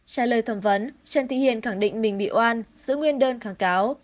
trả lời thẩm vấn trần thị hiền khẳng định mình bị oan giữ nguyên đơn kháng cáo